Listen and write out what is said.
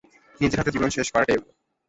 নিজের হাতে জীবন শেষ করাটাই ভালো।